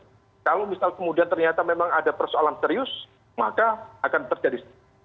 karena kalau misalnya kemudian ternyata memang ada persoalan serius maka akan terjadi